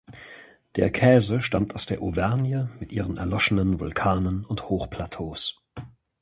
Der Käse stammt aus der Auvergne mit ihren erloschenen Vulkanen und Hochplateaus.